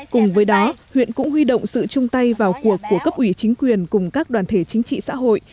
cùng với đó huyện cũng huy động sự chung tay vào cuộc của cấp ủy chính quyền cùng các đoàn thể chính trị xã hội